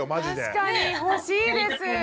確かに欲しいです。